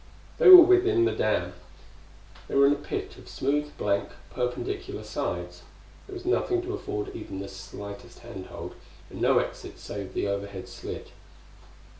They were within the dam. They were in a pit of smooth, blank, perpendicular sides; there was nothing to afford even the slightest handhold; and no exit save the overhead slit.